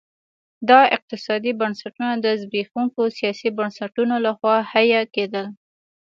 دا اقتصادي بنسټونه د زبېښونکو سیاسي بنسټونو لخوا حیه کېدل.